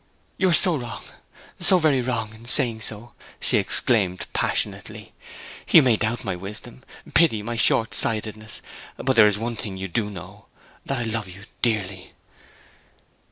'You are so wrong, so very wrong, in saying so!' she exclaimed passionately. 'You may doubt my wisdom, pity my short sightedness; but there is one thing you do know, that I love you dearly!'